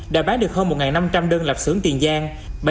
đã bán được hơn một năm trăm linh đơn lạp xưởng tiền gian